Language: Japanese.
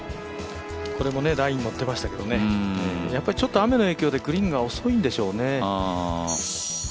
これもラインにのってましたけどね、やっぱりちょっと雨の影響でグリーンが遅いんでしょうね。